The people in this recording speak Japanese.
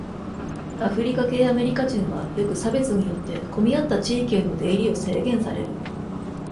アフリカ系アメリカ人は、よく差別によって混み合った地域への出入りを制限される。